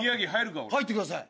入ってください。